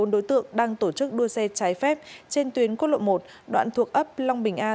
bốn đối tượng đang tổ chức đua xe trái phép trên tuyến quốc lộ một đoạn thuộc ấp long bình a